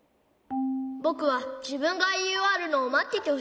ぼくはじぶんがいいおわるのをまっててほしい。